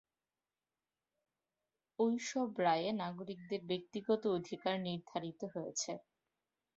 ওইসব রায়ে নাগরিকদের ব্যক্তিগত অধিকার নির্ধারিত হয়েছে।